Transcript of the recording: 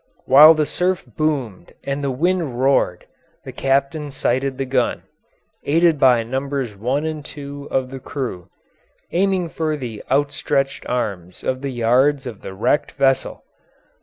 While the surf boomed and the wind roared, the captain sighted the gun aided by Nos. 1 and 2 of the crew aiming for the outstretched arms of the yards of the wrecked vessel.